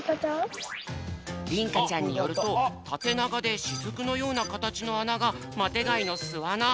りんかちゃんによるとたてながでしずくのようなかたちのあながマテがいのすあな。